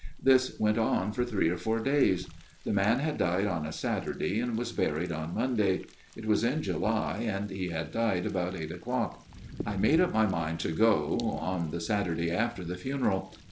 " This went on for three or four days. The man had died on a Saturday, and was buried on Monday ; it was in July ; and he had died about eight o'clock. " I made up my mind to go on the Saturday after the funeral.